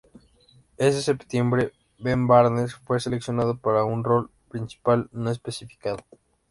Ese septiembre, Ben Barnes fue seleccionado para un rol principal no especificado.